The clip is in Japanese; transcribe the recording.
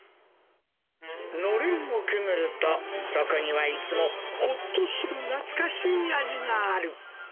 のれんをくぐると、そこにはいつもほっとする懐かしい味がある。